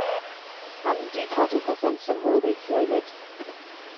Handi cadw pethe'n syml weithiau 'fyd!